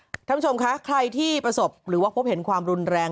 คุณผู้ชมคะใครที่ประสบหรือว่าพบเห็นความรุนแรง